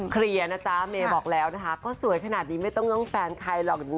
คลียร์นะจ๊ะเม้บอกแล้วนะคะ